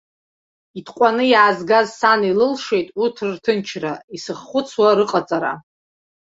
Итҟәаны иаазгаз сан илылшеит урҭ рырҭынчра, исыххәыцуа рыҟаҵара.